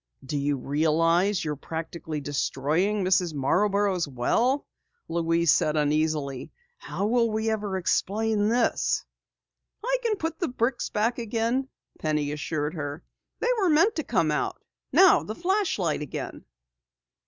"Do you realize you're practically destroying Mrs. Marborough's well!" Louise said uneasily. "How will we ever explain this?" "I can put the bricks back again," Penny assured her. "They were meant to come out. Now, the flashlight again."